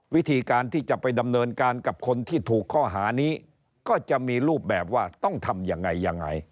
วิธีการที่จะไปดำเนินการกับคนที่ถูกข้อหานี้ก็จะมีรูปแบบว่าต้องทำยังไงยังไง